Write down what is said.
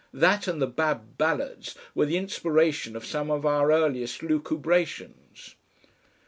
That and the BAB BALLADS were the inspiration of some of our earliest lucubrations.